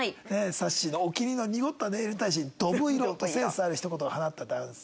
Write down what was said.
さっしーのお気に入りの濁ったネイルに対して「ドブ色」とセンスあるひと言を放った男性。